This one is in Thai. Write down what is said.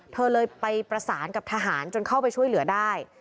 เธอเลยไปประสานกับทหารจนเข้าไปช่วยเหลือได้